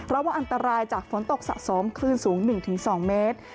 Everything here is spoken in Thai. ว่าอันตรายจากฝนตกสะสมคลื่นสูง๑๒เมตร